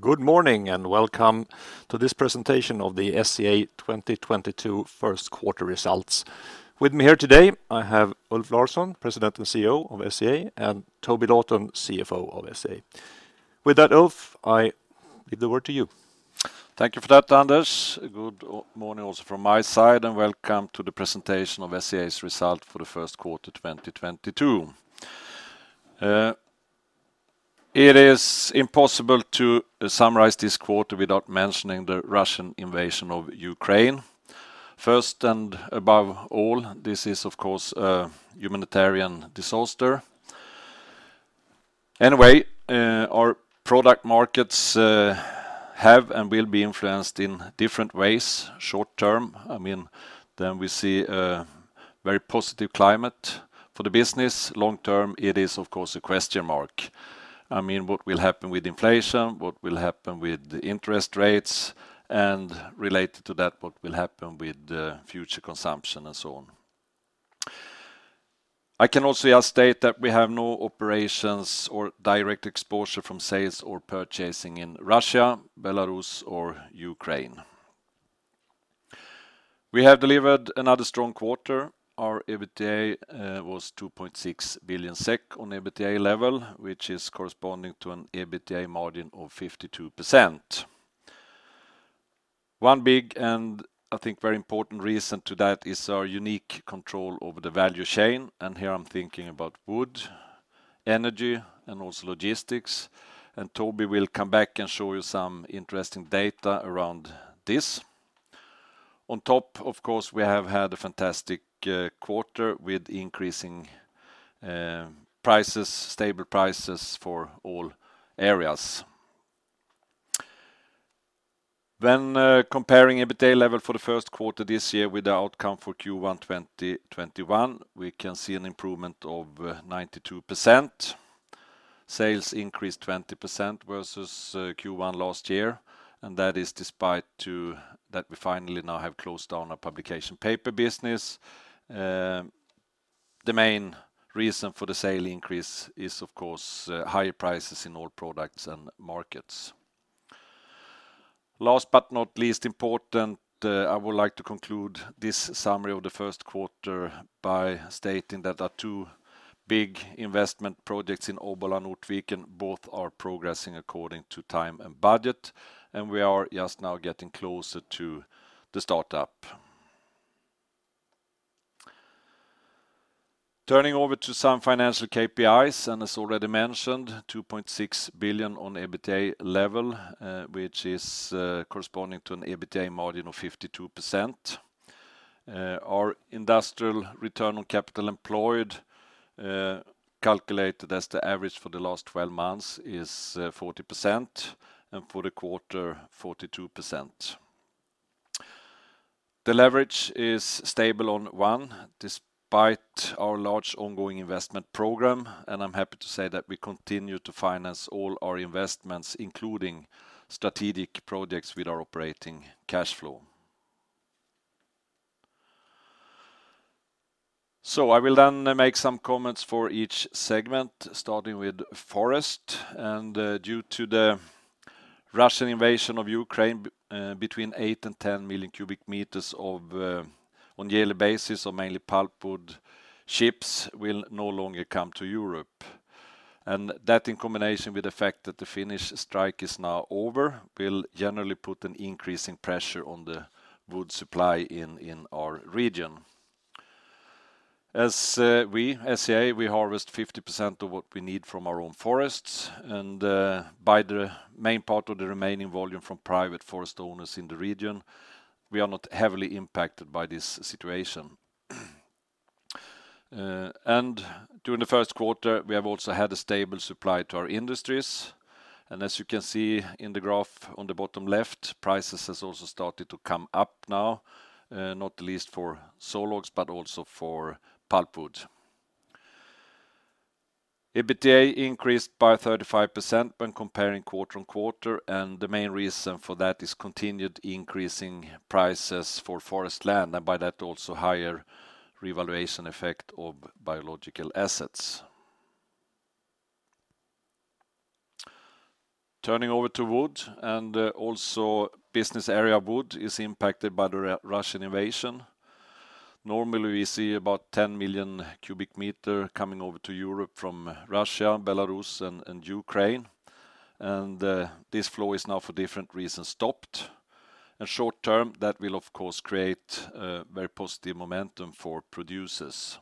Good morning, and welcome to this presentation of the SCA 2022 first quarter results. With me here today, I have Ulf Larsson, President and CEO of SCA, and Toby Lawton, CFO of SCA. With that, Ulf, I give the word to you. Thank you for that, Anders. Good morning also from my side, and welcome to the presentation of SCA's result for the first quarter 2022. It is impossible to summarize this quarter without mentioning the Russian invasion of Ukraine. First and above all, this is, of course, a humanitarian disaster. Anyway, our product markets have and will be influenced in different ways short-term. I mean, then we see a very positive climate for the business. Long-term, it is, of course, a question mark. I mean, what will happen with inflation? What will happen with the interest rates? And related to that, what will happen with the future consumption and so on? I can also just state that we have no operations or direct exposure from sales or purchasing in Russia, Belarus, or Ukraine. We have delivered another strong quarter. Our EBITDA was 2.6 billion SEK on EBITDA level, which is corresponding to an EBITDA margin of 52%. One big, and I think very important reason to that, is our unique control over the value chain, and here I'm thinking about wood, energy, and also logistics, and Toby will come back and show you some interesting data around this. On top, of course, we have had a fantastic quarter with increasing prices, stable prices for all areas. Comparing EBITDA level for the first quarter this year with the outcome for Q1 2021, we can see an improvement of 92%. Sales increased 20% versus Q1 last year, and that is despite that we finally now have closed down our publication paper business. The main reason for the sales increase is, of course, higher prices in all products and markets. Last but not least important, I would like to conclude this summary of the first quarter by stating that our two big investment projects in Obbola and Ortviken, and both are progressing according to time and budget, and we are just now getting closer to the startup. Turning over to some financial KPIs, and as already mentioned, 2.6 billion on EBITDA level, which is, corresponding to an EBITDA margin of 52%. Our industrial return on capital employed, calculated as the average for the last twelve months, is, 40%, and for the quarter, 42%. The leverage is stable on one, despite our large ongoing investment program, and I'm happy to say that we continue to finance all our investments, including strategic projects with our operating cash flow. I will then make some comments for each segment, starting with forest. Due to the Russian invasion of Ukraine, between 8 million and 10 million cubic meters of, on yearly basis of mainly pulpwood shipments will no longer come to Europe. That, in combination with the fact that the Finnish strike is now over, will generally put an increase in pressure on the wood supply in our region. As we, SCA, harvest 50% of what we need from our own forests, and buy the main part of the remaining volume from private forest owners in the region, we are not heavily impacted by this situation. During the first quarter, we have also had a stable supply to our industries. As you can see in the graph on the bottom left, prices has also started to come up now, not least for sawlogs, but also for pulpwood. EBITDA increased by 35% when comparing quarter on quarter, and the main reason for that is continued increasing prices for forest land, and by that, also higher revaluation effect of biological assets. Turning over to wood, also business area wood is impacted by the Russian invasion. Normally, we see about 10 million cubic meter coming over to Europe from Russia, Belarus, and Ukraine. This flow is now for different reasons stopped. Short-term, that will of course create very positive momentum for producers.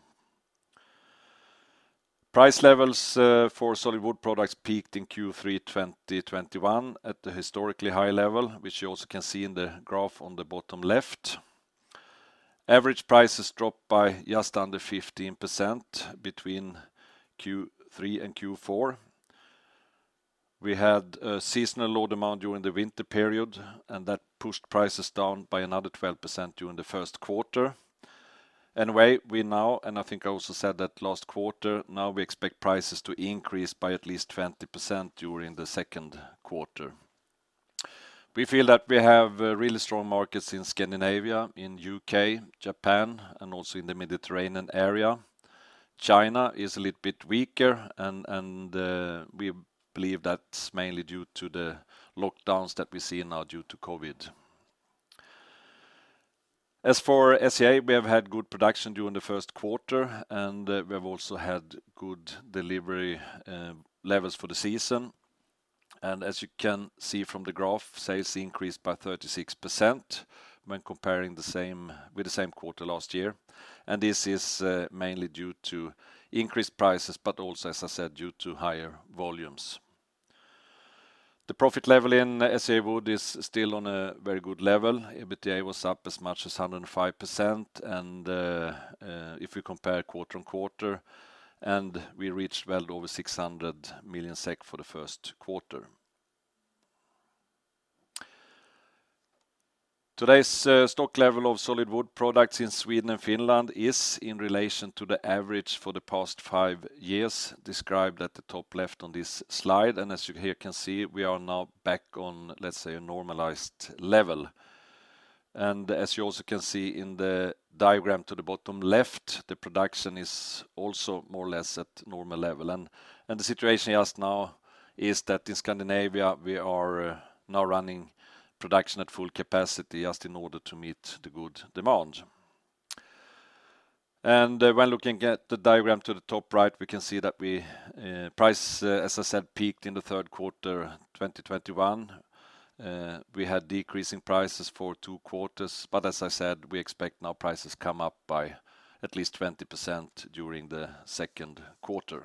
Price levels for solid wood products peaked in Q3 2021 at the historically high level, which you also can see in the graph on the bottom left. Average prices dropped by just under 15% between Q3 and Q4. We had a seasonal low demand during the winter period, and that pushed prices down by another 12% during the first quarter. Anyway, we now, and I think I also said that last quarter, now we expect prices to increase by at least 20% during the second quarter. We feel that we have really strong markets in Scandinavia, in U.K., Japan, and also in the Mediterranean area. China is a little bit weaker and we believe that's mainly due to the lockdowns that we see now due to COVID. As for SCA, we have had good production during the first quarter, and we have also had good delivery levels for the season. As you can see from the graph, sales increased by 36% when comparing with the same quarter last year. This is mainly due to increased prices, but also, as I said, due to higher volumes. The profit level in SCA Wood is still on a very good level. EBITDA was up as much as 105% and, if we compare quarter-on-quarter, we reached well over 600 million SEK for the first quarter. Today's stock level of solid wood products in Sweden and Finland is in relation to the average for the past five years, described at the top left on this slide. As you here can see, we are now back on, let's say, a normalized level. As you also can see in the diagram to the bottom left, the production is also more or less at normal level. The situation just now is that in Scandinavia, we are now running production at full capacity just in order to meet the good demand. When looking at the diagram to the top right, we can see that prices, as I said, peaked in the third quarter 2021. We had decreasing prices for two quarters, but as I said, we expect now prices come up by at least 20% during the second quarter.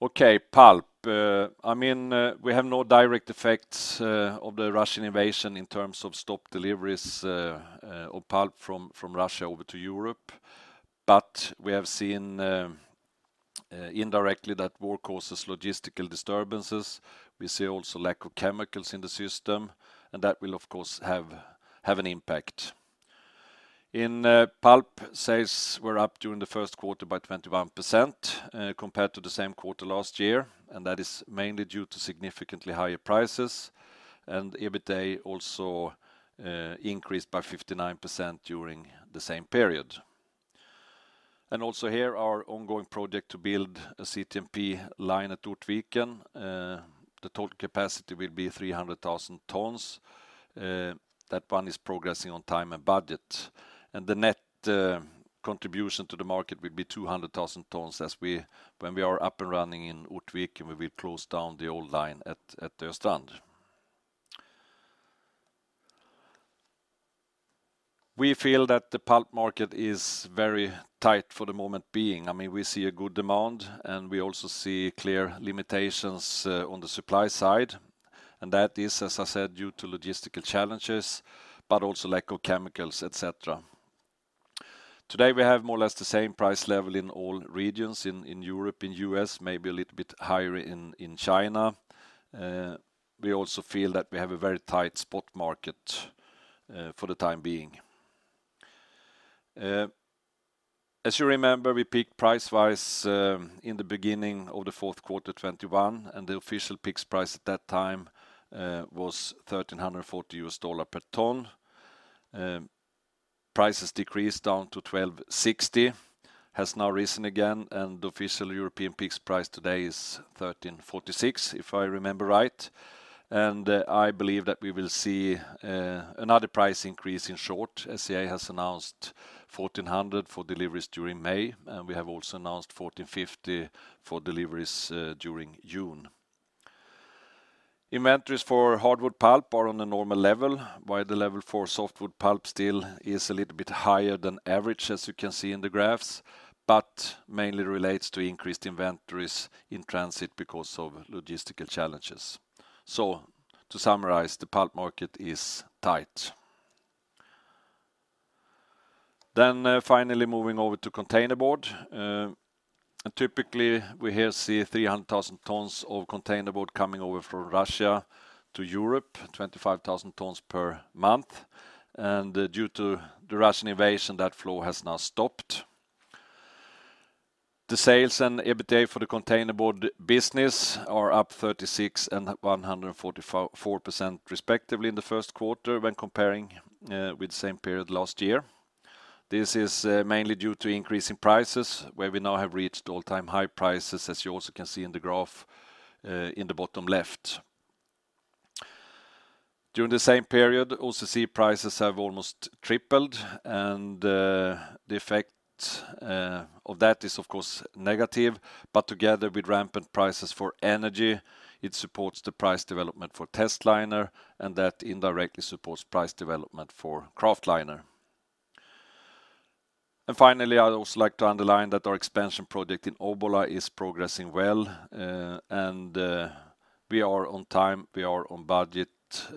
Okay, pulp. I mean, we have no direct effects of the Russian invasion in terms of stopped deliveries of pulp from Russia over to Europe. But we have seen indirectly that war causes logistical disturbances. We see also lack of chemicals in the system, and that will, of course, have an impact. In pulp, sales were up during the first quarter by 21%, compared to the same quarter last year, and that is mainly due to significantly higher prices, and EBITDA also increased by 59% during the same period. Also here, our on going project to build a CTMP line at Ortviken, the total capacity will be 300,000 tons. That one is progressing on time and budget. The net contribution to the market will be 200,000 tons when we are up and running in Ortviken, we will close down the old line at Östrand. We feel that the pulp market is very tight for the time being. I mean, we see a good demand, and we also see clear limitations on the supply side. That is, as I said, due to logistical challenges, but also lack of chemicals, et cetera. Today, we have more or less the same price level in all regions in Europe and U.S., maybe a little bit higher in China. We also feel that we have a very tight spot market for the time being. As you remember, we peaked price-wise in the beginning of the fourth quarter 2021, and the official peaks price at that time was $1,340 per ton. Price has decreased down to $1,260, has now risen again, and official European peaks price today is $1,346, if I remember right. I believe that we will see another price increase in short. SCA has announced 1,400 for deliveries during May, and we have also announced 1,450 for deliveries during June. Inventories for hardwood pulp are on a normal level, while the level for softwood pulp still is a little bit higher than average, as you can see in the graphs, but mainly relates to increased inventories in transit because of logistical challenges. To summarize, the pulp market is tight. Finally moving over to containerboard. Typically, we here see 300,000 tons of containerboard coming over from Russia to Europe, 25,000 tons per month. Due to the Russian invasion, that flow has now stopped. The sales and EBITDA for the containerboard business are up 36% and 144% respectively in the first quarter when comparing with the same period last year. This is mainly due to increase in prices, where we now have reached all-time high prices, as you also can see in the graph in the bottom left. During the same period, OCC prices have almost tripled, and the effect of that is of course negative. But together with rampant prices for energy, it supports the price development for testliner, and that indirectly supports price development for kraftliner. Finally, I'd also like to underline that our expansion project in Obbola is progressing well, and we are on time, we are on budget,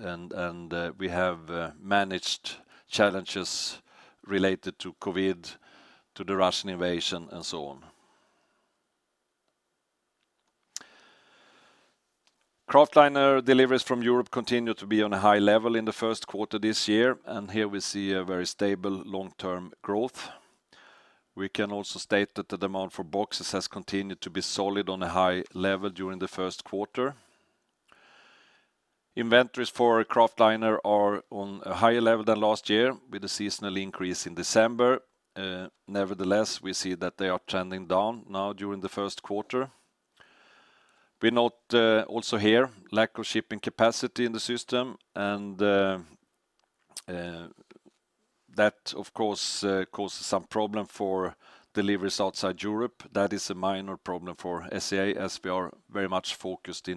and we have managed challenges related to COVID, to the Russian invasion, and so on. Kraftliner deliveries from Europe continue to be on a high level in the first quarter this year, and here we see a very stable long-term growth. We can also state that the demand for boxes has continued to be solid on a high level during the first quarter. Inventories for kraftliner are on a higher level than last year, with a seasonal increase in December. Nevertheless, we see that they are trending down now during the first quarter. We note also here lack of shipping capacity in the system and that, of course, causes some problem for deliveries outside Europe. That is a minor problem for SCA as we are very much focused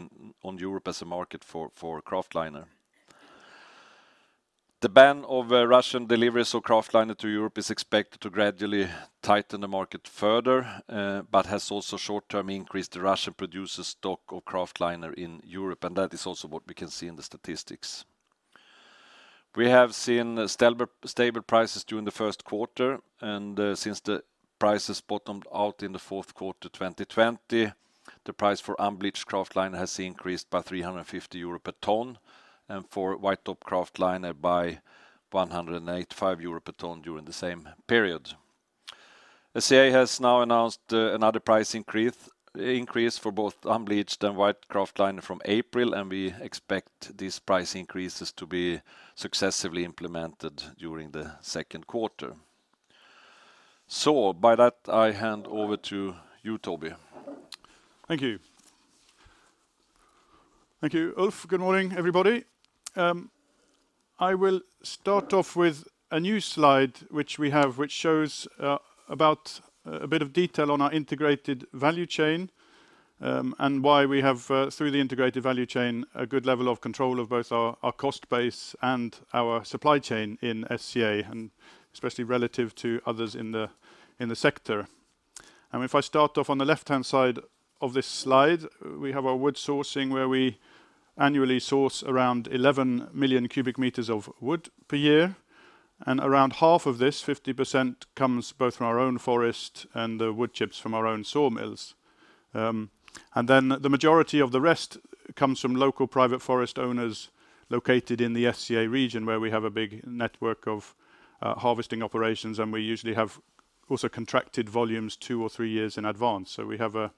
on Europe as a market for kraftliner. The ban on Russian deliveries of kraftliner to Europe is expected to gradually tighten the market further, but has also short-term increased the Russian producer stock of kraftliner in Europe, and that is also what we can see in the statistics. We have seen stable prices during the first quarter, and since the prices bottomed out in the fourth quarter 2020, the price for unbleached kraftliner has increased by 350 euro per ton and for white top kraftliner by 185 euro per ton during the same period. SCA has now announced another price increase for both unbleached and white top kraftliner from April, and we expect these price increases to be successfully implemented during the second quarter. By that, I hand over to you, Toby. Thank you. Thank you, Ulf. Good morning, everybody. I will start off with a new slide which we have, which shows about a bit of detail on our integrated value chain, and why we have through the integrated value chain, a good level of control of both our cost base and our supply chain in SCA, and especially relative to others in the sector. I mean, if I start off on the left-hand side of this slide, we have our wood sourcing where we annually source around 11 million cubic meters of wood per year, and around half of this, 50%, comes both from our own forest and the wood chips from our own sawmills. The majority of the rest comes from local private forest owners located in the SCA region where we have a big network of harvesting operations, and we usually have also contracted volumes two or three years in advance. We have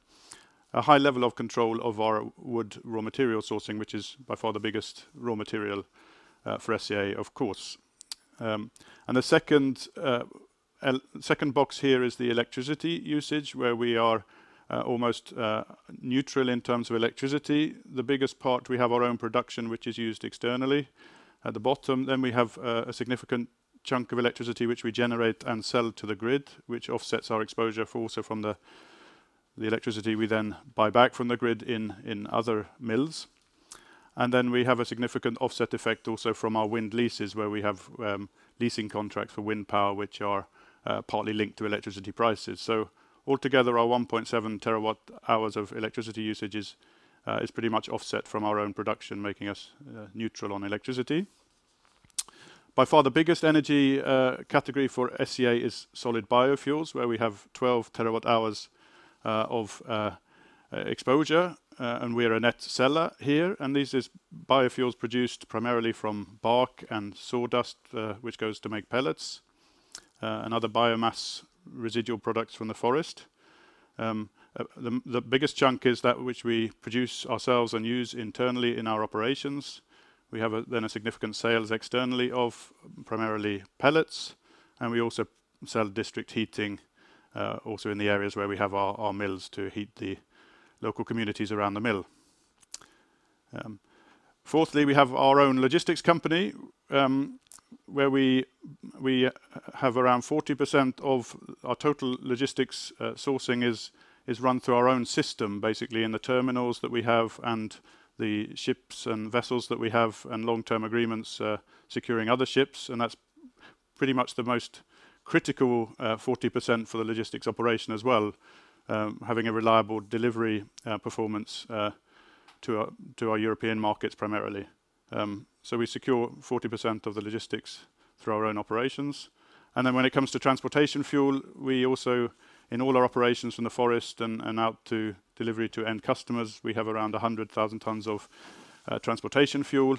a high level of control of our wood raw material sourcing, which is by far the biggest raw material for SCA, of course. The second box here is the electricity usage, where we are almost neutral in terms of electricity. The biggest part, we have our own production, which is used externally. At the bottom, we have a significant chunk of electricity which we generate and sell to the grid, which offsets our exposure also from the electricity we then buy back from the grid in other mills. We have a significant offset effect also from our wind leases, where we have leasing contracts for wind power, which are partly linked to electricity prices. Altogether, our 1.7 TWh of electricity usage is pretty much offset from our own production, making us neutral on electricity. By far, the biggest energy category for SCA is solid biofuels, where we have 12 TWh of exposure, and we're a net seller here. This is biofuels produced primarily from bark and sawdust, which goes to make pellets, and other biomass residual products from the forest. The biggest chunk is that which we produce ourselves and use internally in our operations. We have significant sales externally of primarily pellets, and we also sell district heating also in the areas where we have our mills to heat the local communities around the mill. Fourthly, we have our own logistics company, where we have around 40% of our total logistics sourcing is run through our own system, basically, in the terminals that we have and the ships and vessels that we have and long-term agreements securing other ships. That's pretty much the most critical 40% for the logistics operation as well, having a reliable delivery performance to our European markets primarily. We secure 40% of the logistics through our own operations. When it comes to transportation fuel, we also, in all our operations from the forest and out to delivery to end customers, we have around 100,000 tons of transportation fuel.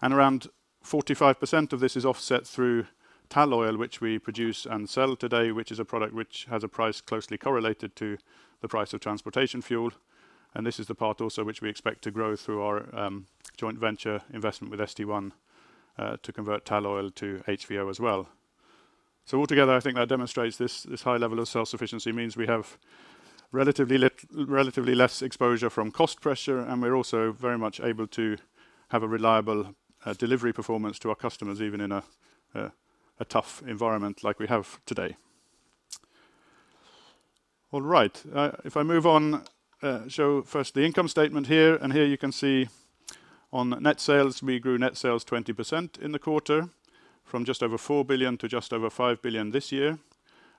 Around 45% of this is offset through tall oil, which we produce and sell today, which is a product which has a price closely correlated to the price of transportation fuel. This is the part also which we expect to grow through our joint venture investment with St1 to convert tall oil to HVO as well. Altogether, I think that demonstrates this high level of self-sufficiency means we have relatively less exposure from cost pressure, and we're also very much able to have a reliable delivery performance to our customers, even in a tough environment like we have today. All right. If I move on, show first the income statement here, and here you can see on net sales, we grew net sales 20% in the quarter from just over 4 billion to just over 5 billion this year.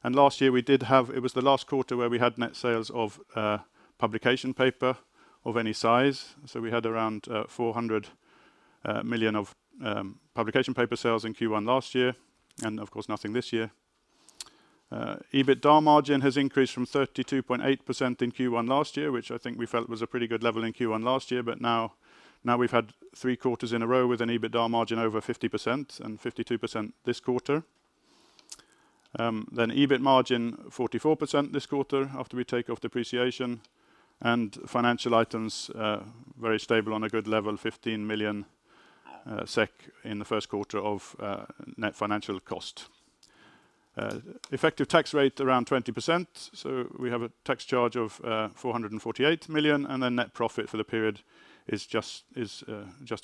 Last year, we did have, it was the last quarter where we had net sales of publication paper of any size. We had around 400 million of publication paper sales in Q1 last year, and of course, nothing this year. EBITDA margin has increased from 32.8% in Q1 last year, which I think we felt was a pretty good level in Q1 last year. Now we've had three quarters in a row with an EBITDA margin over 50% and 52% this quarter. EBIT margin 44% this quarter after we take off depreciation and financial items, very stable on a good level, 15 million SEK in the first quarter of net financial cost. Effective tax rate around 20%, so we have a tax charge of 448 million, and the net profit for the period is just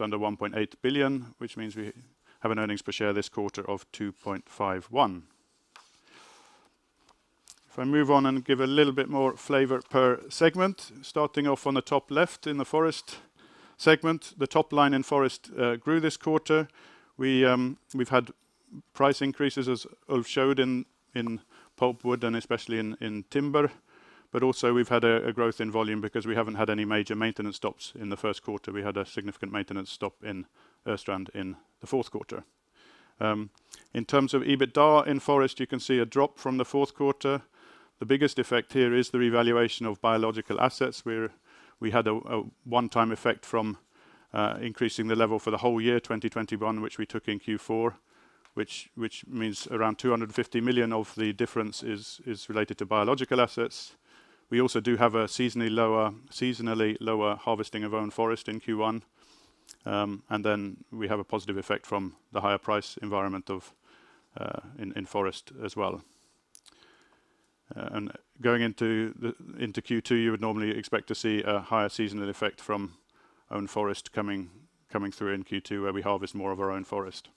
under 1.8 billion, which means we have an earnings per share this quarter of 2.51. If I move on and give a little bit more flavor per segment, starting off on the top left in the Forest segment, the top line in Forest grew this quarter. We've had price increases as Ulf showed in pulpwood and especially in timber, but also we've had a growth in volume because we haven't had any major maintenance stops in the first quarter. We had a significant maintenance stop in Östrand in the fourth quarter. In terms of EBITDA in Forest, you can see a drop from the fourth quarter. The biggest effect here is the revaluation of biological assets, where we had a one-time effect from increasing the level for the whole year, 2021, which we took in Q4, which means around 250 million of the difference is related to biological assets. We also do have a seasonally lower harvesting of own forest in Q1. We have a positive effect from the higher price environment of in forest as well. Going into Q2, you would normally expect to see a higher seasonal effect from own forest coming through in Q2, where we harvest more of our own forest.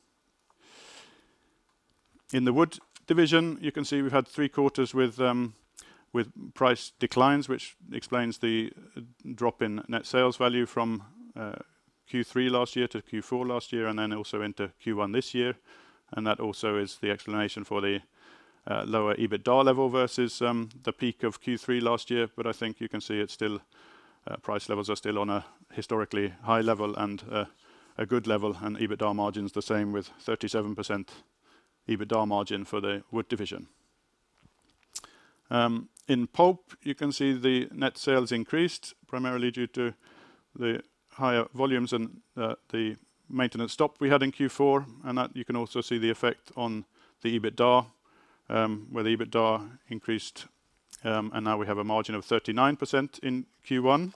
In the Wood division, you can see we've had three quarters with price declines, which explains the drop in net sales value from Q3 last year to Q4 last year, and then also into Q1 this year. That also is the explanation for the lower EBITDA level versus the peak of Q3 last year. I think you can see it's still price levels are still on a historically high level and a good level, and EBITDA margin's the same with 37% EBITDA margin for the Wood division. In Pulp, you can see the net sales increased primarily due to the higher volumes and the maintenance stop we had in Q4, and that you can also see the effect on the EBITDA, where the EBITDA increased, and now we have a margin of 39% in Q1.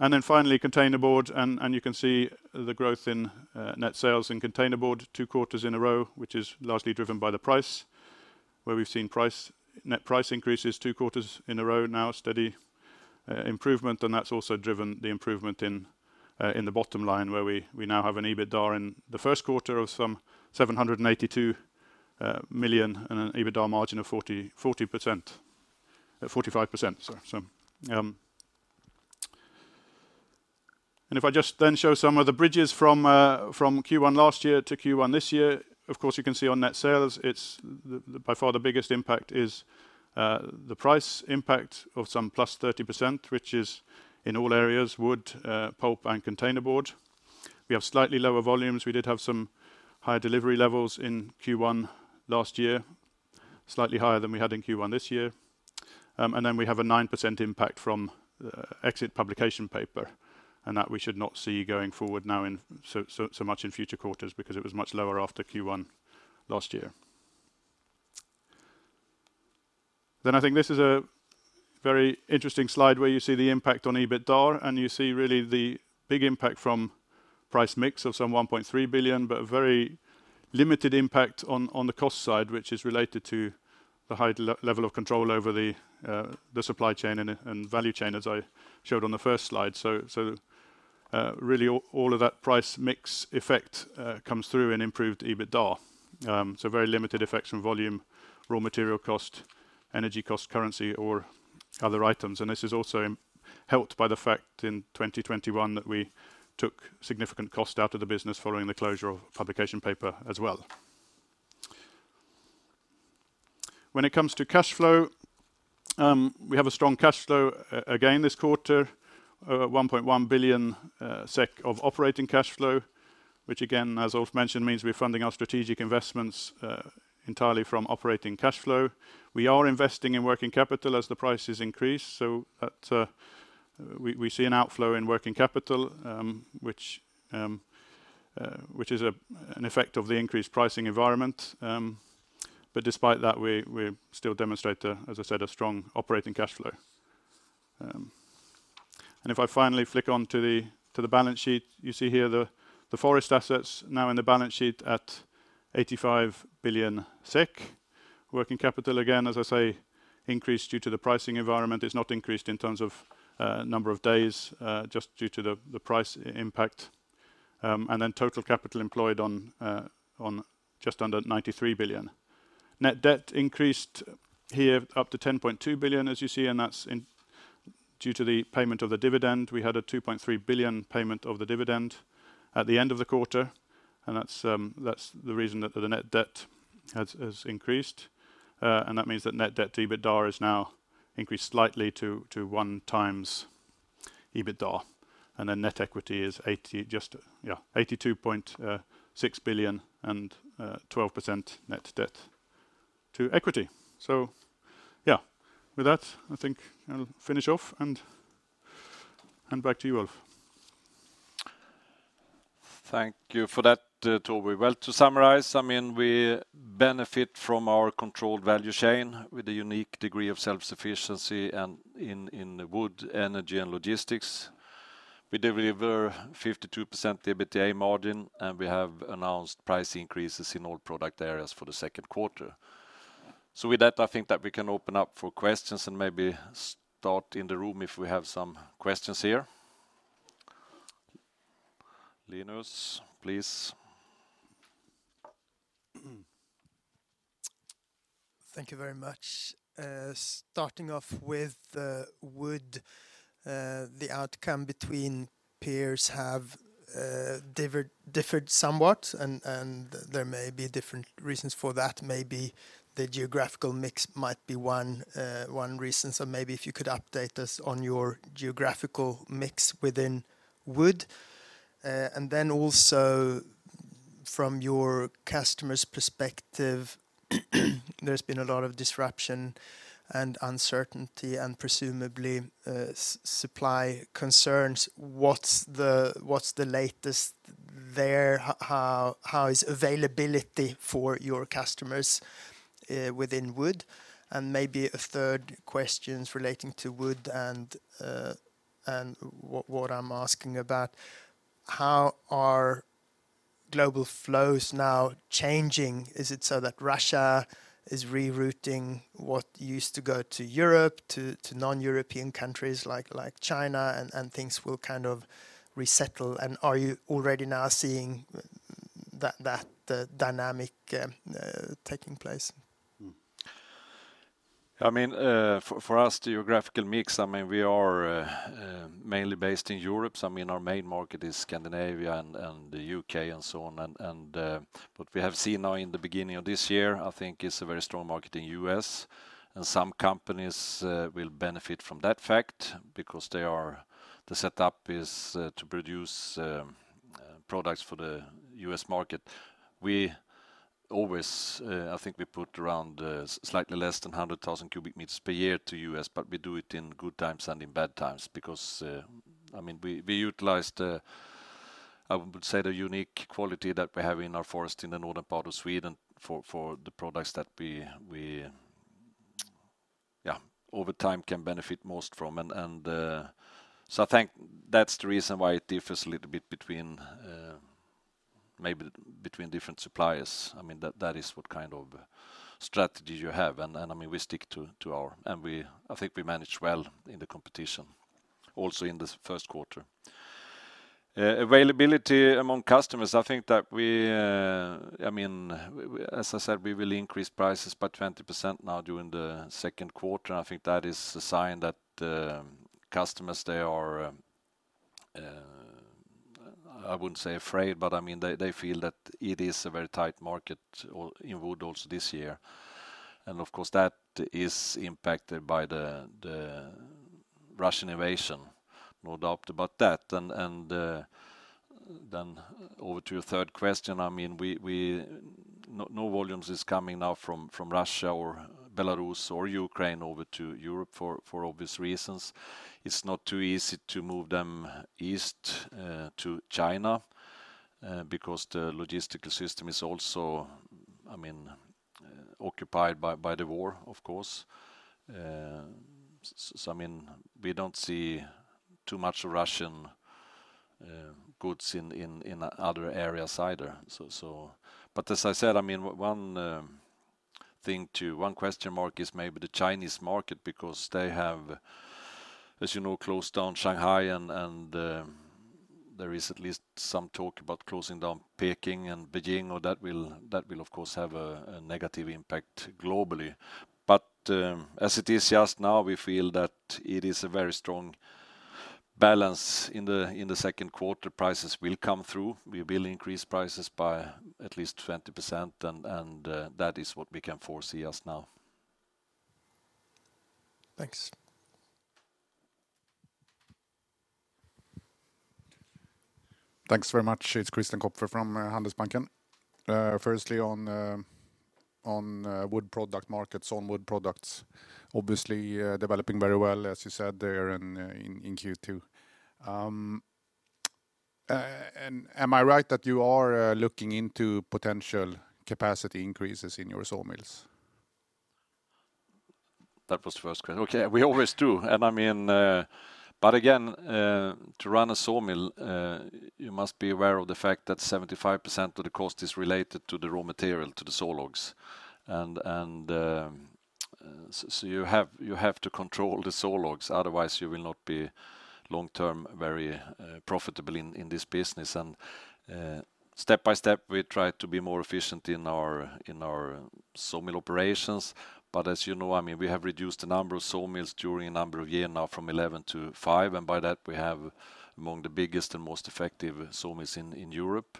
Containerboard, you can see the growth in net sales in Containerboard two quarters in a row, which is largely driven by the price, where we've seen price, net price increases two quarters in a row now, steady improvement, and that's also driven the improvement in the bottom line, where we now have an EBITDA in the first quarter of 782 million and an EBITDA margin of 40%, 45%, sorry. If I just then show some of the bridges from Q1 last year to Q1 this year, of course, you can see on net sales, it's by far the biggest impact, the price impact of some plus 30%, which is in all areas, wood, pulp, and containerboard. We have slightly lower volumes. We did have some higher delivery levels in Q1 last year, slightly higher than we had in Q1 this year. We have a 9% impact from exit publication paper, and that we should not see going forward now in so much in future quarters because it was much lower after Q1 last year. I think this is a very interesting slide where you see the impact on EBITDA, and you see really the big impact from price mix of some 1.3 billion, but a very limited impact on the cost side, which is related to the high level of control over the supply chain and value chain, as I showed on the first slide. Really all of that price mix effect comes through in improved EBITDA. Very limited effects from volume, raw material cost, energy cost, currency, or other items. This is also helped by the fact in 2021 that we took significant cost out of the business following the closure of publication paper as well. When it comes to cash flow, we have a strong cash flow again this quarter, 1.1 billion SEK of operating cash flow, which again, as Ulf mentioned, means we're funding our strategic investments entirely from operating cash flow. We are investing in working capital as the prices increase, so we see an outflow in working capital, which is an effect of the increased pricing environment. Despite that, we still demonstrate, as I said, a strong operating cash flow. If I finally flip to the balance sheet, you see here the forest assets now in the balance sheet at 85 billion SEK. Working capital, again, as I say, increased due to the pricing environment. It's not increased in terms of number of days, just due to the price impact. Total capital employed on just under 93 billion. Net debt increased here up to 10.2 billion, as you see, and that's due to the payment of the dividend. We had a 2.3 billion payment of the dividend at the end of the quarter, and that's the reason that the net debt has increased. That means that net debt to EBITDA has now increased slightly to 1x. EBITDA, and then net equity is 80, just, yeah, 82.6 billion and 12% net debt to equity. Yeah, with that, I think I'll finish off and back to you, Ulf. Thank you for that, Toby. Well, to summarize, I mean, we benefit from our controlled value chain with a unique degree of self-sufficiency and in the wood, energy, and logistics. We deliver 52% EBITDA margin, and we have announced price increases in all product areas for the second quarter. With that, I think that we can open up for questions and maybe start in the room if we have some questions here. Linus, please. Thank you very much. Starting off with the wood, the outcome between peers have differed somewhat, and there may be different reasons for that. Maybe the geographical mix might be one reason. Maybe if you could update us on your geographical mix within wood. And then also from your customers' perspective, there's been a lot of disruption and uncertainty and presumably supply concerns. What's the latest there? How is availability for your customers within wood? Maybe a third question relating to wood and what I'm asking about, how are global flows now changing? Is it so that Russia is rerouting what used to go to Europe to non-European countries like China and things will kind of resettle? Are you already now seeing that dynamic taking place? I mean, for us, geographical mix. I mean, we are mainly based in Europe, so I mean, our main market is Scandinavia, and what we have seen now in the beginning of this year, I think it's a very strong market in the U.S., and some companies will benefit from that fact because they are. The setup is to produce products for the U.S. market. We always, I think we put around slightly less than 100,000 cubic meters per year to U.S., but we do it in good times and in bad times because, I mean, we utilize the, I would say, the unique quality that we have in our forest in the northern part of Sweden for the products that we over time can benefit most from. I think that's the reason why it differs a little bit between maybe between different suppliers. I mean, that is what kind of strategy you have. I mean, we stick to our. I think we manage well in the competition also in this first quarter. Availability among customers, I think that, I mean, as I said, we will increase prices by 20% now during the second quarter. I think that is a sign that customers they are I wouldn't say afraid, but I mean, they feel that it is a very tight market also in wood this year. Of course, that is impacted by the Russian invasion, no doubt about that. Then over to your third question, I mean, no volumes is coming now from Russia or Belarus or Ukraine over to Europe for obvious reasons. It's not too easy to move them east to China because the logistical system is also, I mean, occupied by the war, of course. I mean, we don't see too much Russian goods in other areas either. As I said, I mean, one question mark is maybe the Chinese market because they have, as you know, closed down Shanghai and there is at least some talk about closing down Beijing, that will of course have a negative impact globally. As it is just now, we feel that it is a very strong balance in the second quarter. Prices will come through. We will increase prices by at least 20%, and that is what we can foresee as of now. Thanks. Thanks very much. It's Christian Kopfer from Handelsbanken. Firstly on wood product markets, on wood products, obviously developing very well, as you said there in Q2. Am I right that you are looking into potential capacity increases in your sawmills? That was the first question. Okay. We always do. I mean, but again, to run a sawmill, you must be aware of the fact that 75% of the cost is related to the raw material, to the sawlogs. You have to control the sawlogs, otherwise you will not be long-term very profitable in this business. Step by step, we try to be more efficient in our sawmill operations. As you know, I mean, we have reduced the number of sawmills during a number of years now from 11 to five, and by that, we have among the biggest and most effective sawmills in Europe.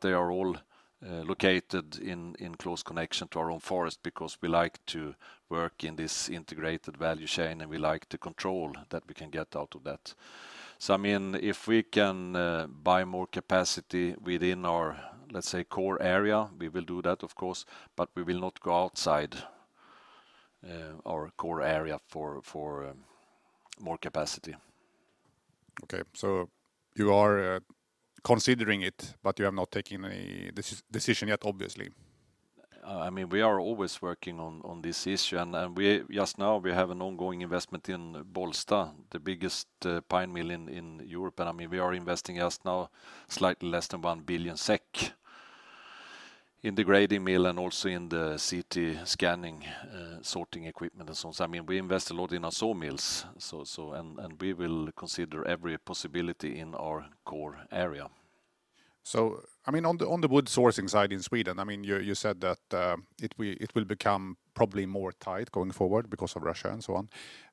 They are all located in close connection to our own forest because we like to work in this integrated value chain, and we like the control that we can get out of that. I mean, if we can buy more capacity within our, let's say, core area, we will do that, of course, but we will not go outside our core area for more capacity. Okay. You are considering it, but you have not taken any decision yet, obviously? I mean, we are always working on this issue, and we just now have an ongoing investment in Bollsta, the biggest pine mill in Europe. I mean, we are investing just now slightly less than 1 billion SEK in the grading mill and also in the CT scanning sorting equipment and so on. I mean, we invest a lot in our sawmills, so we will consider every possibility in our core area. I mean, on the wood sourcing side in Sweden, I mean, you said that it will become probably more tight going forward because of Russia and so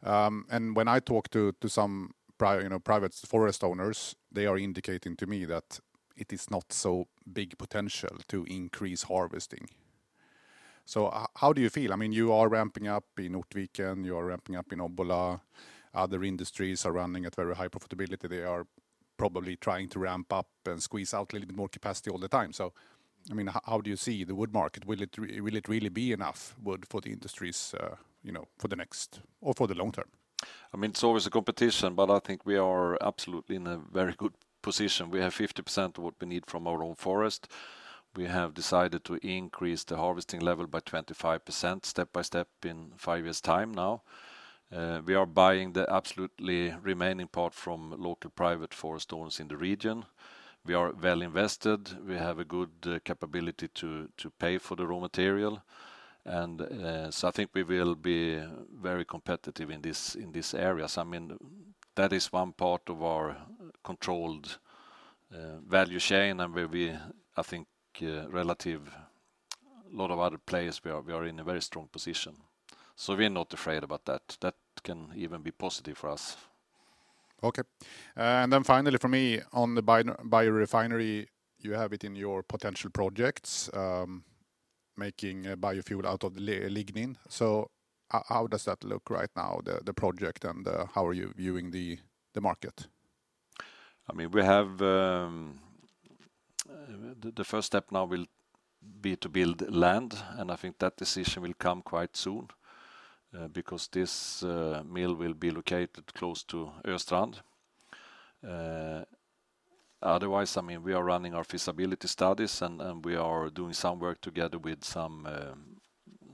on. When I talk to some private forest owners, you know, they are indicating to me that it is not so big potential to increase harvesting. How do you feel? I mean, you are ramping up in Ortviken, you are ramping up in Obbola. Other industries are running at very high profitability. They are probably trying to ramp up and squeeze out a little bit more capacity all the time. I mean, how do you see the wood market? Will it really be enough wood for the industries, you know, for the next or for the long term? I mean, it's always a competition, but I think we are absolutely in a very good position. We have 50% of what we need from our own forest. We have decided to increase the harvesting level by 25% step by step in five years' time now. We are buying the absolutely remaining part from local private forest owners in the region. We are well invested. We have a good capability to pay for the raw material. I think we will be very competitive in this area. I mean, that is one part of our controlled value chain and where we, I think, relative to a lot of other players, we are in a very strong position, so we're not afraid about that. That can even be positive for us. Okay. Then finally from me, on the biorefinery, you have it in your potential projects, making biofuel out of the lignin. How does that look right now, the project, and how are you viewing the market? I mean, the first step now will be to build land, and I think that decision will come quite soon, because this mill will be located close to Östrand. Otherwise, I mean, we are running our feasibility studies, and we are doing some work together with some,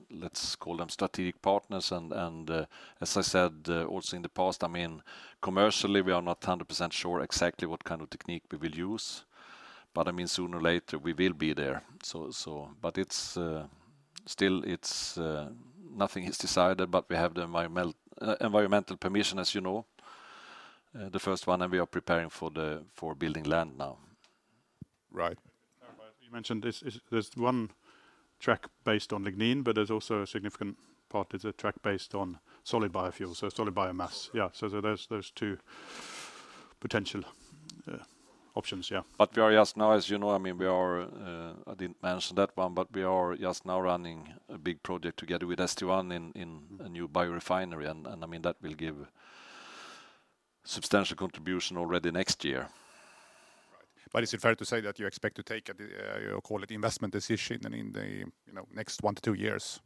let's call them strategic partners. As I said, also in the past, I mean, commercially, we are not 100% sure exactly what kind of technique we will use, but I mean, sooner or later, we will be there. It's still nothing is decided, but we have the environmental permission, as you know, the first one, and we are preparing for building land now. Right. Just to clarify, as we mentioned, there's one track based on lignin, but there's also a significant part is a track based on solid biofuel, so solid biomass. Yeah. So there's two potential options, yeah. We are just now, as you know, I mean, I didn't mention that one, but we are just now running a big project together with St1 in a new biorefinery, and I mean, that will give substantial contribution already next year. Right. Is it fair to say that you expect to take a call it investment decision in the, you know, next one to two years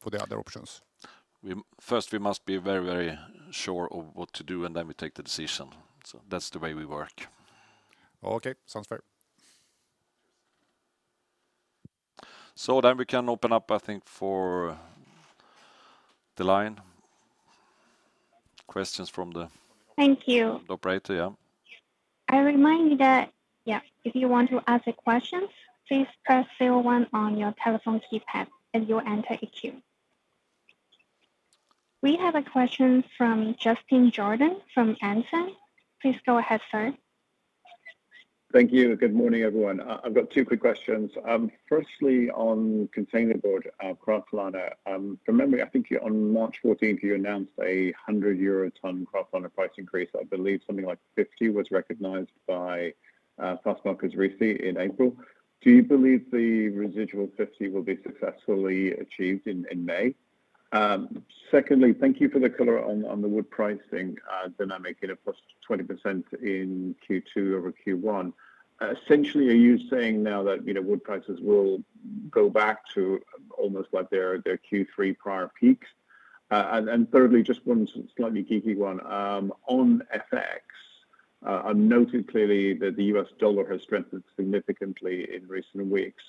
for the other options? First, we must be very, very sure of what to do, and then we take the decision. That's the way we work. Okay. Sounds fair. We can open up, I think, for the line. Questions from the Thank you. Operator, yeah. I remind you that, yeah, if you want to ask a question, please press zero one on your telephone keypad, and you'll enter a queue. We have a question from Justin Jordan from Exane. Please go ahead, sir. Thank you. Good morning, everyone. I've got two quick questions. Firstly, on containerboard, kraftliner. From memory, I think on March fourteenth you announced a 100 euro/ton kraftliner price increase. I believe something like 50 was recognized by Fastmarkets RISI in April. Do you believe the residual 50 will be successfully achieved in May? Secondly, thank you for the color on the wood pricing dynamic at +20% in Q2 over Q1. Essentially, are you saying now that, you know, wood prices will go back to almost like their Q3 prior peaks? Thirdly, just one slightly geeky one. On FX, I noted clearly that the U.S, dollar has strengthened significantly in recent weeks.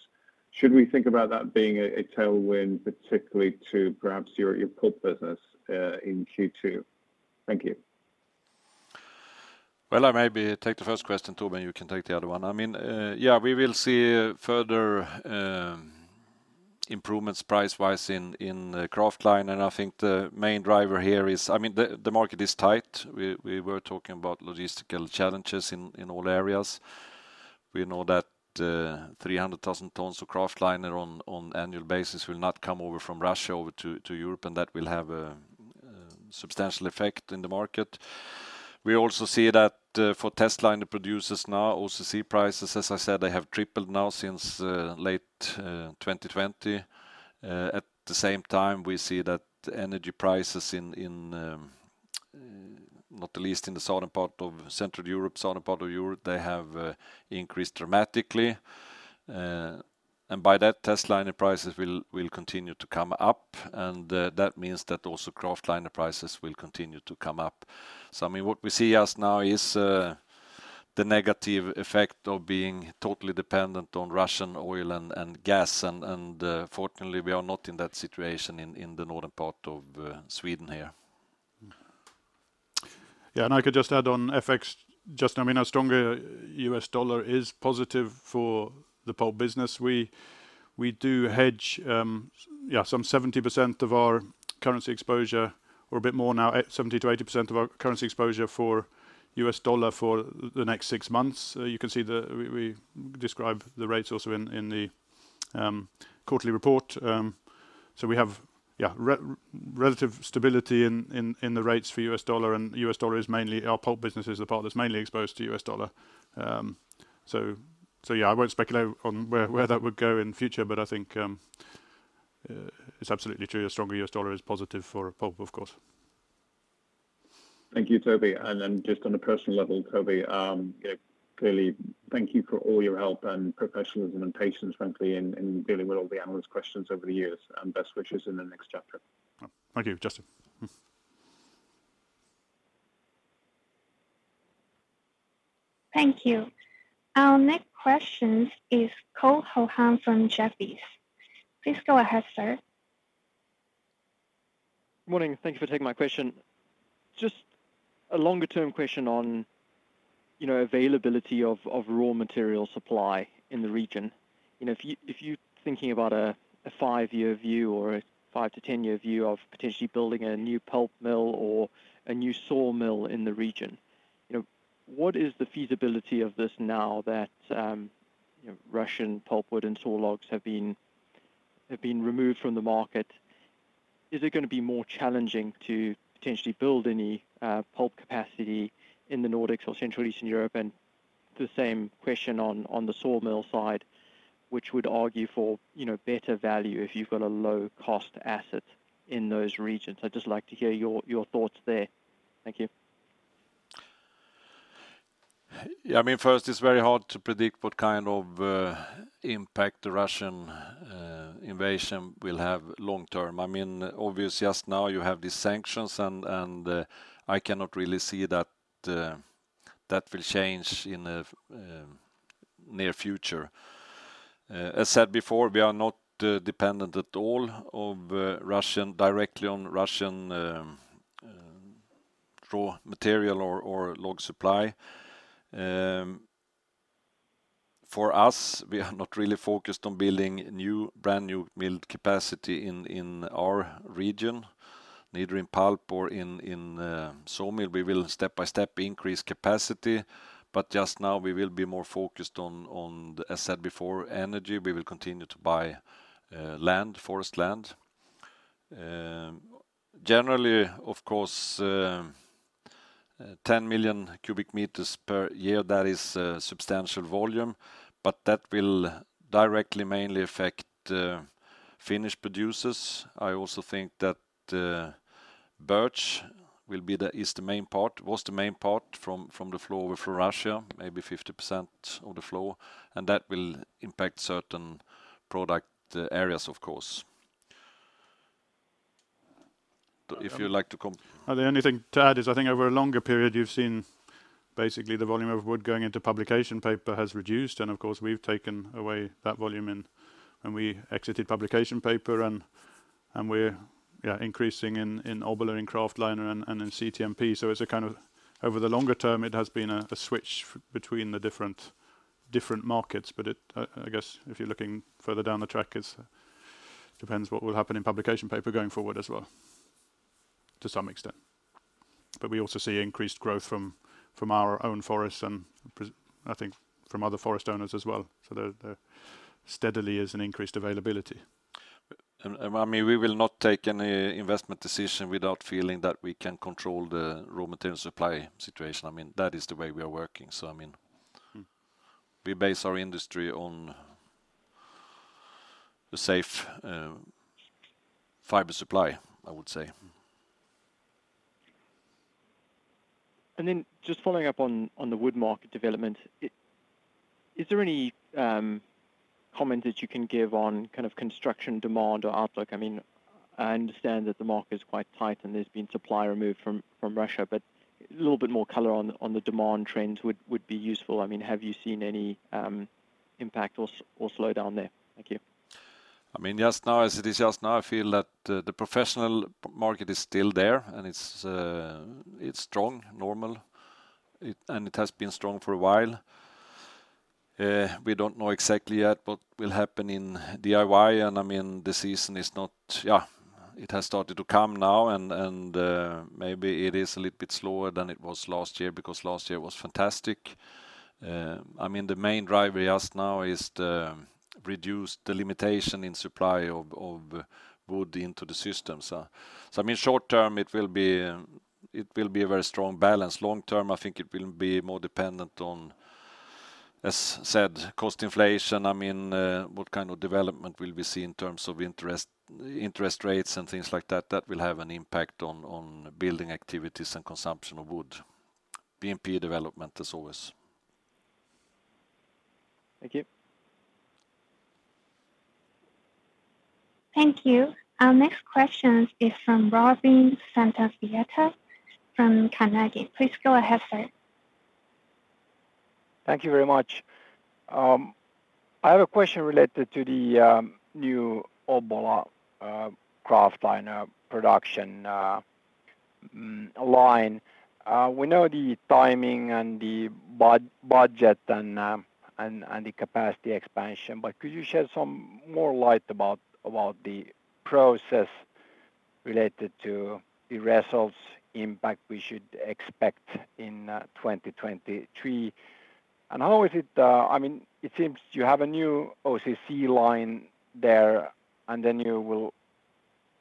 Should we think about that being a tailwind, particularly to perhaps your pulp business, in Q2? Thank you. Well, I maybe take the first question, Toby Lawton, you can take the other one. I mean, yeah, we will see further improvements price-wise in kraftliner, and I think the main driver here is, I mean, the market is tight. We were talking about logistical challenges in all areas. We know that 300,000 tons of kraftliner on annual basis will not come over from Russia over to Europe, and that will have a substantial effect in the market. We also see that for testliner producers now, OCC prices, as I said, they have tripled now since late 2020. At the same time, we see that energy prices in not the least in the southern part of Central Europe, southern part of Europe, they have increased dramatically. By that testliner prices will continue to come up, and that means that also kraftliner prices will continue to come up. I mean, what we see now is the negative effect of being totally dependent on Russian oil and gas, and fortunately, we are not in that situation in the northern part of Sweden here. Yeah. I could just add on FX just, I mean, a stronger U.S. dollar is positive for the pulp business. We do hedge some 70% of our currency exposure or a bit more now, 70%-80% of our currency exposure for U.S. dollar for the next six months. You can see. We describe the rates also in the quarterly report. We have relative stability in the rates for U.S. dollar, and U.S. dollar is mainly our pulp business is the part that's mainly exposed to U.S. dollar. I won't speculate on where that would go in future, but I think it's absolutely true a stronger U.S. dollar is positive for pulp, of course. Thank you, Toby. Then just on a personal level, Toby, yeah, clearly thank you for all your help and professionalism and patience, frankly, in dealing with all the analyst questions over the years, and best wishes in the next chapter. Thank you, Justin. Thank you. Our next question is Cole Hathorn from Jefferies. Please go ahead, sir. Morning. Thank you for taking my question. Just a longer-term question on, you know, availability of raw material supply in the region. You know, if you're thinking about a five-year view or a five to ten-year view of potentially building a new pulp mill or a new sawmill in the region, you know, what is the feasibility of this now that, you know, Russian pulpwood and sawlogs have been removed from the market? Is it gonna be more challenging to potentially build any pulp capacity in the Nordics or Central Eastern Europe? And the same question on the sawmill side, which would argue for, you know, better value if you've got a low cost asset in those regions. I'd just like to hear your thoughts there. Thank you. Yeah, I mean, first, it's very hard to predict what kind of impact the Russian invasion will have long term. I mean, obviously just now you have these sanctions and I cannot really see that that will change in the near future. As said before, we are not dependent at all directly on Russian raw material or log supply. For us, we are not really focused on building brand new mill capacity in our region, neither in pulp or in sawmill. We will step by step increase capacity, but just now we will be more focused on, as said before, energy. We will continue to buy land, forest land. Generally, of course, 10 million cubic meters per year, that is a substantial volume, but that will directly mainly affect Finnish producers. I also think that birch was the main part from the flow over from Russia, maybe 50% of the flow, and that will impact certain product areas, of course. If you like to com- The only thing to add is I think over a longer period, you've seen basically the volume of wood going into publication paper has reduced, and of course, we've taken away that volume and we exited publication paper and we're increasing in Obbola and kraftliner and in CTMP. Over the longer term, it has been a switch between the different markets. I guess if you're looking further down the track, it depends what will happen in publication paper going forward as well, to some extent. We also see increased growth from our own forests and I think from other forest owners as well. There steadily is an increased availability. I mean, we will not take any investment decision without feeling that we can control the raw material supply situation. I mean, that is the way we are working. Mm-hmm... we base our industry on the safe, fiber supply, I would say. Just following up on the wood market development, is there any comment that you can give on kind of construction demand or outlook? I mean, I understand that the market is quite tight and there's been supply removed from Russia, but a little bit more color on the demand trends would be useful. I mean, have you seen any impact or slowdown there? Thank you. I mean, just now, as it is just now, I feel that the professional market is still there and it's strong, normal, and it has been strong for a while. We don't know exactly yet what will happen in DIY. I mean, it has started to come now and maybe it is a little bit slower than it was last year because last year was fantastic. I mean, the main driver just now is the limitation in supply of wood into the system. I mean, short term, it will be a very strong balance. Long term, I think it will be more dependent on, as said, cost inflation. I mean, what kind of development will we see in terms of interest rates and things like that will have an impact on building activities and consumption of wood. GNP development as always. Thank you. Thank you. Our next question is from Robin Santaviita from Carnegie. Please go ahead, sir. Thank you very much. I have a question related to the new Obbola kraftliner production line. We know the timing and the budget and the capacity expansion, but could you shed some more light about the process related to the results impact we should expect in 2023? How is it? I mean, it seems you have a new OCC line there, and then you will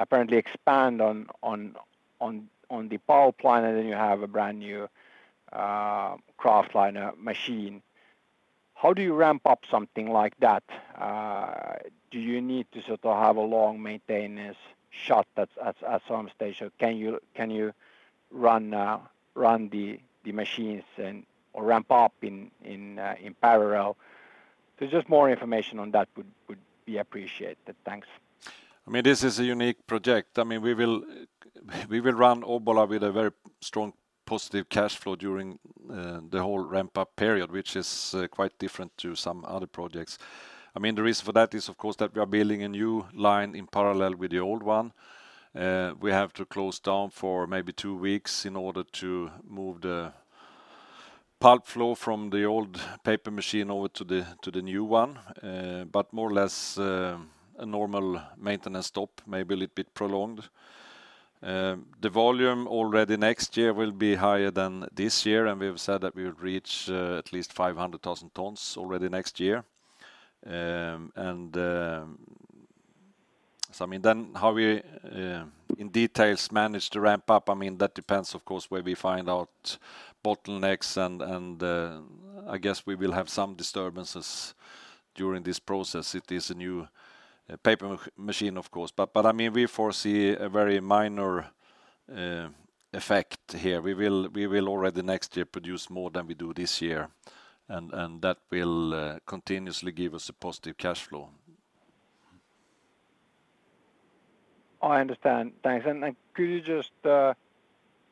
apparently expand on the power plant, and then you have a brand-new kraftliner machine. How do you ramp up something like that? Do you need to sort of have a long maintenance shut at some stage, or can you run the machines or ramp up in parallel? Just more information on that would be appreciated. Thanks. I mean, this is a unique project. I mean, we will run Obbola with a very strong positive cash flow during the whole ramp-up period, which is quite different to some other projects. I mean, the reason for that is, of course, that we are building a new line in parallel with the old one. We have to close down for maybe two weeks in order to move the pulp flow from the old paper machine over to the new one. More or less, a normal maintenance stop, maybe a little bit prolonged. The volume already next year will be higher than this year, and we have said that we would reach at least 500,000 tons already next year. I mean, how we in detail manage to ramp up, I mean, that depends, of course, where we find out bottlenecks and, I guess we will have some disturbances during this process. It is a new paper machine, of course. I mean, we foresee a very minor effect here. We will already next year produce more than we do this year, and that will continuously give us a positive cash flow. I understand. Thanks. Could you just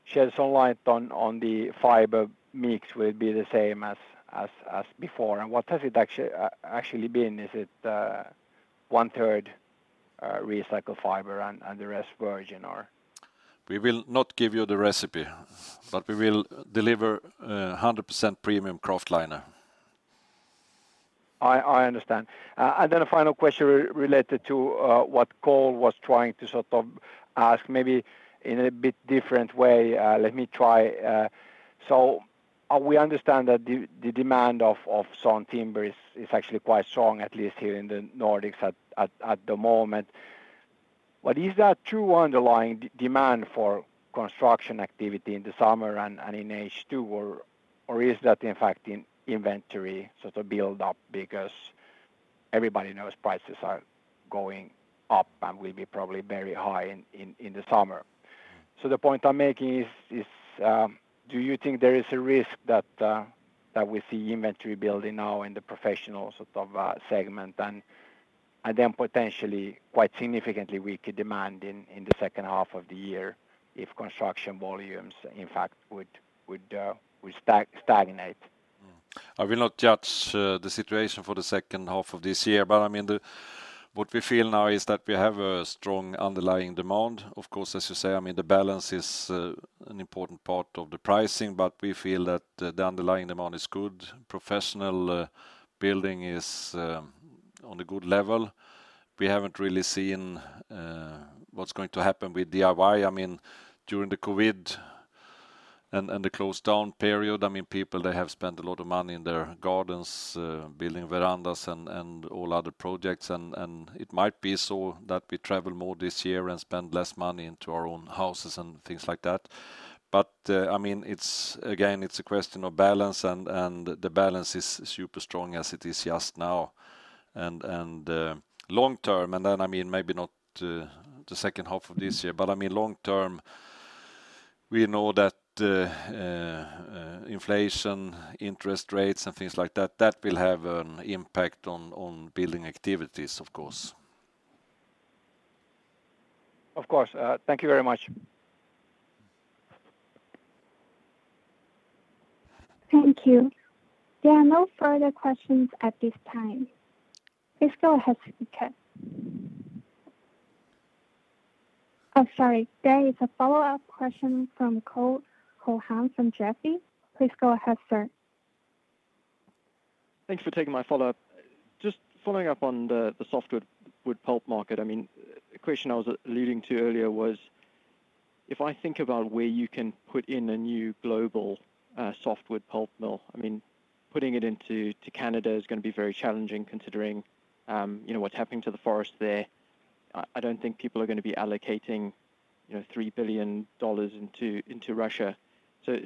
shed some light on the fiber mix? Will it be the same as before? What has it actually been? Is it one-third recycled fiber and the rest virgin, or? We will not give you the recipe, but we will deliver 100% premium kraftliner. I understand. A final question related to what Cole was trying to sort of ask, maybe in a bit different way. Let me try. We understand that the demand of sawn timber is actually quite strong, at least here in the Nordics at the moment. Is that true underlying demand for construction activity in the summer and in H2, or is that inventory sort of build up because everybody knows prices are going up and will be probably very high in the summer? The point I'm making is, do you think there is a risk that that we see inventory building now in the professional sort of segment and then potentially quite significantly weaker demand in the second half of the year if construction volumes in fact would stagnate? I will not judge the situation for the second half of this year, but I mean, what we feel now is that we have a strong underlying demand. Of course, as you say, I mean, the balance is an important part of the pricing, but we feel that the underlying demand is good. Professional building is on a good level. We haven't really seen what's going to happen with DIY. I mean, during the COVID and the closed down period, I mean, people, they have spent a lot of money in their gardens building verandas and all other projects. It might be so that we travel more this year and spend less money into our own houses and things like that. I mean, it's again, it's a question of balance and the balance is super strong as it is just now. Long term, and then I mean maybe not the second half of this year, but I mean long term we know that inflation, interest rates, and things like that will have an impact on building activities, of course. Of course. Thank you very much. Thank you. There are no further questions at this time. Please go ahead, speaker. Oh, sorry. There is a follow-up question from Cole Hathorn from Jefferies. Please go ahead, sir. Thanks for taking my follow-up. Just following up on the softwood wood pulp market. I mean, the question I was alluding to earlier was. If I think about where you can put in a new global softwood pulp mill, I mean, putting it into Canada is gonna be very challenging considering you know what's happening to the forest there. I don't think people are gonna be allocating you know $3 billion into Russia.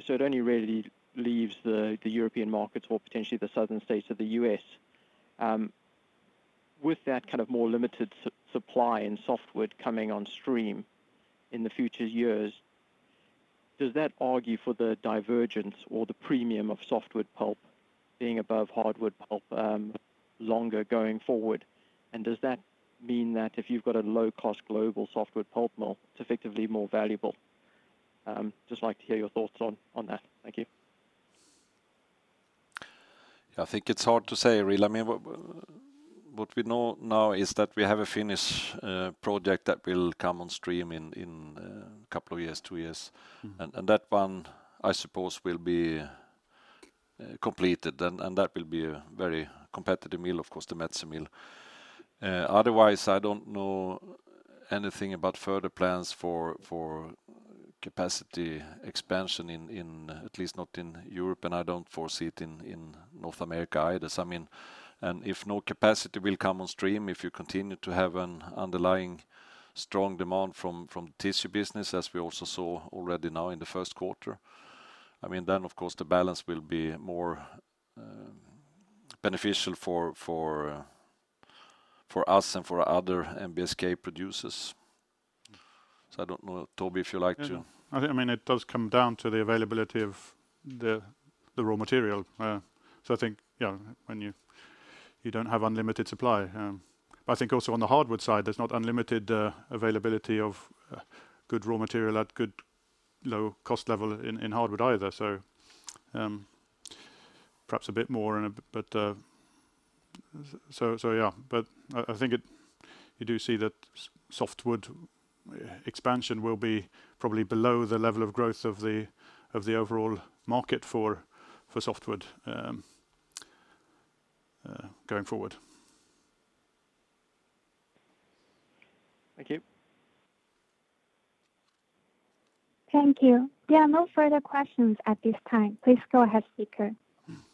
So it only really leaves the European markets or potentially the southern states of the U.S.. With that kind of more limited supply in softwood coming on stream in the future years, does that argue for the divergence or the premium of softwood pulp being above hardwood pulp longer going forward? Does that mean that if you've got a low-cost global softwood pulp just like to hear your thoughts on that. Thank you. Yeah, I think it's hard to say, really. I mean, what we know now is that we have a Finnish project that will come on stream in couple of years, two years. Mm-hmm. That one, I suppose, will be completed and that will be a very competitive mill, of course, the Metsä mill. Otherwise, I don't know anything about further plans for capacity expansion in at least not in Europe, and I don't foresee it in North America either. I mean if no capacity will come on stream, if you continue to have an underlying strong demand from tissue business as we also saw already now in the first quarter, I mean, then, of course, the balance will be more beneficial for us and for other NBSK producers. I don't know, Toby, if you'd like to- I think, I mean, it does come down to the availability of the raw material. I think, you know, when you don't have unlimited supply, but I think also on the hardwood side, there's not unlimited availability of good raw material at good low cost level in hardwood either. Perhaps a bit more, but so yeah. I think you do see that softwood expansion will be probably below the level of growth of the overall market for softwood going forward. Thank you. Thank you. There are no further questions at this time. Please go ahead speaker.